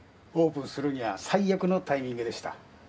オープンするには最悪のタイミングでした。